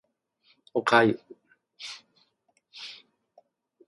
お粥